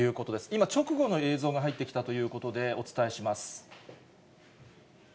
今、直後の映像が入ってきたということで、お伝えします。